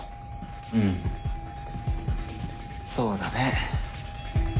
うんそうだね。